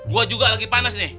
gue juga lagi panas nih